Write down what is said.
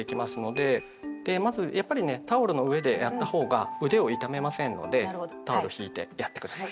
でまずやっぱりねタオルの上でやった方が腕を痛めませんのでタオルをひいてやって下さい。